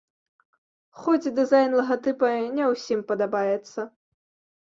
Хоць дызайн лагатыпа не ўсім падабаецца.